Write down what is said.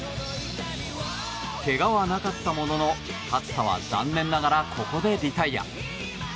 けがはなかったものの、勝田は残念ながらここでリタイア。